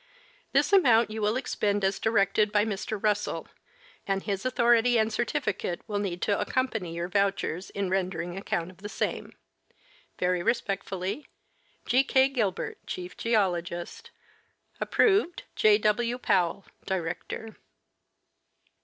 This amount you will expend as directed by Mr. Russell, and his authority and certificate will need to accompany your vouchers in rendering account of the same. Very respectfully, G. K. Gilbert,' Chief Geologist. Aj^proved, J. W. Powell, Director.